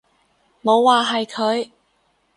冇話係佢